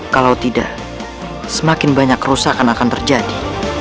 kalau tidak semakin banyak kerusakan akan terjadi